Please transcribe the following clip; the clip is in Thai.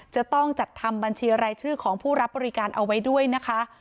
จะต้องจัดทำบัญชีรายชื่อของผู้รับบริการเอาไว้ด้วยนะคะ